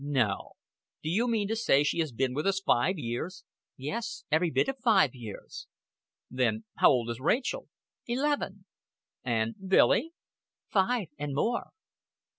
"No? Do you mean to say she has been with us five years?" "Yes. Every bit of five years." "Then how old is Rachel?" "Eleven." "And Billy?" "Five and more."